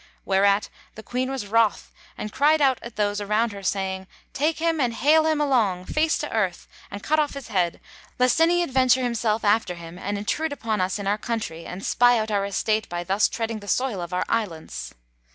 Whereat the Queen was wroth and cried out at those around her, saying, "Take him and hale him along, face to earth, and cut off his head, least any adventure himself after him and intrude upon us in our country and spy out our estate by thus treading the soil of our islands."